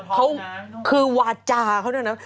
เขาคือวาจาเขาเนี่ยนะ